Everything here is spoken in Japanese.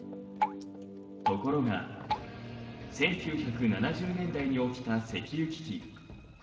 ところが１９７０年代に起きた石油危機